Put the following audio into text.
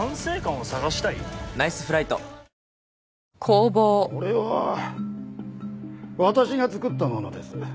これは私が作ったものです。